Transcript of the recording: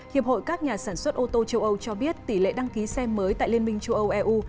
hiệp hội các nhà sản xuất ô tô châu âu cho biết tỷ lệ đăng ký xe mới tại liên minh châu âu eu